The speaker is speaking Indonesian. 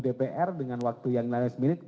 dpr dengan waktu yang nilai semenit